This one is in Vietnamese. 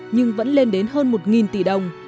nhưng vẫn lên đến hơn một tỷ đồng